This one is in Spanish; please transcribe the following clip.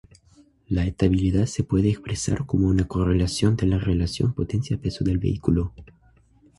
La estabilidad se puede expresar como una correlación de la relación potencia-peso del vehículo.